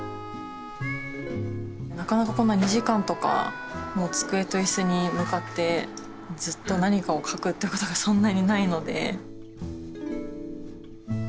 なかなかこんな２時間とかもう机と椅子に向かってずっと何かを書くってことがそんなにないので。